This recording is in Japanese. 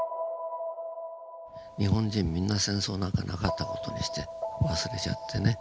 日本人みんな戦争なんかなかった事にして忘れちゃってね。